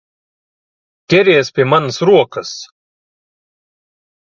Ķeries pie manas rokas!